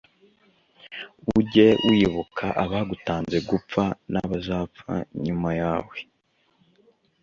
ujye wibuka abagutanze gupfa, n'abazapfa nyuma yawe